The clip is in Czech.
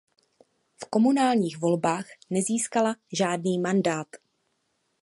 V komunálních volbách nezískala žádný mandát.